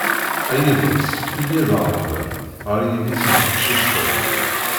A yiḍes yya-d ɣar da, ɣar yidis n teqcict-a.